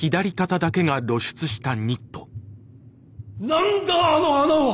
何だあの穴は！